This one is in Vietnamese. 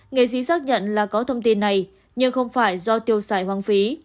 nghệ sĩ xác nhận là có thông tin này nhưng không phải do tiêu xài hoang phí